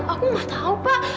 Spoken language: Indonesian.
aku nggak tahu pak